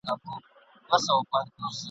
جنګ څخه مخکي د غلامانو په توګه !.